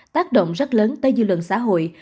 tác động rất lớn tới dư luận xã hội